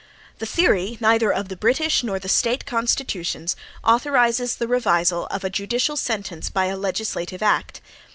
The theory, neither of the British, nor the State constitutions, authorizes the revisal of a judicial sentence by a legislative act.